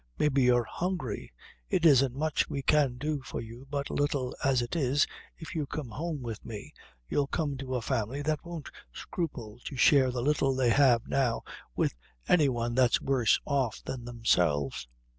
"Maybe you're hungry; it isn't much we can do for you; but little as it is, if you come home with me, you'll come to a family that won't scruple to share the little they have now with any one that's worse off than themselves."